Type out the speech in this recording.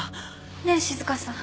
ねえ静香さん。